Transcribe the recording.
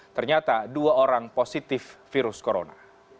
ternyata dua orang positif virus corona